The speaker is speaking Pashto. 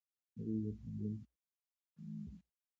هغوی د تعلیم په وړاندې پلمه جوړوله.